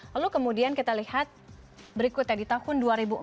lalu kemudian kita lihat berikutnya di tahun dua ribu empat